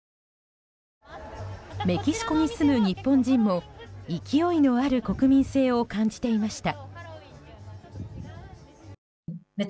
メキシコに住む日本人も勢いのある国民性を感じていました。